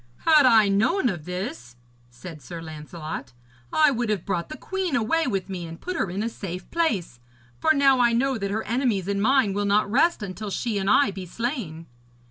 'Had I known of this,' said Sir Lancelot, 'I would have brought the queen away with me and put her in a safe place, for now I know that her enemies and mine will not rest until she and I be slain.'